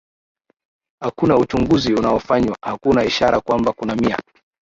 hakuna uchunguzi unaofanywa hakuna ishara kwamba kuna nia